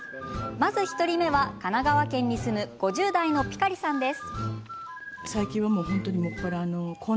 まず１人目は、神奈川県に住む５０代のぴかりさんです。